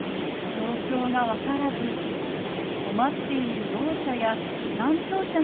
状況が分からず困っているろう者や難聴者がいる場合